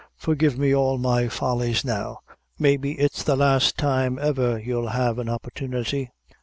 Forgive me all my follies now, maybe it's the last time ever you'll have an opportunity."